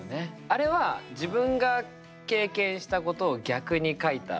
あれは自分が経験したことを逆に書いた。